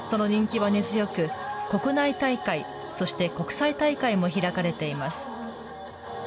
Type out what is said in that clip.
その人気は根強く、国内大会、そして国際大会も開かれています。